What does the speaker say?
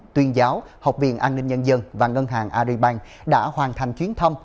tuyên giáo học viện an ninh nhân dân và ngân hàng aribank đã hoàn thành chuyến thăm